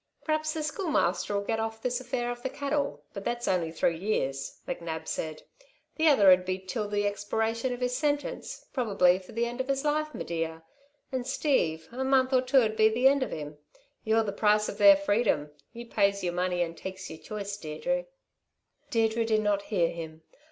"P'raps the Schoolmaster'll get off this affair of the cattle, but that's only three years," McNab said. "The other'd be till the expiration of his sentence, probably for the end of his life, my dear; 'n Steve a month or two'd be the end of him! You're the price of their freedom. You pays y'r money and takes y'r choice, Deirdre." Deirdre did not hear him.